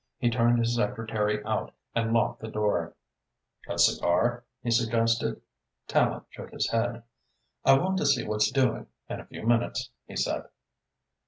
He turned his secretary out and locked the door. "A cigar?" he suggested. Tallente shook his head. "I want to see what's doing, in a few minutes," he said.